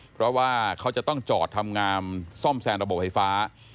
เพราะว่าเขาจะต้องจอดทำงามซ่อมแซมระบบไฟฟ้า